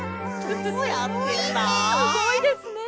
すごいですね。